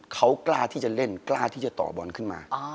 เขากล้าที่จะเล่นกล้าที่จะต่อบอลขึ้นมา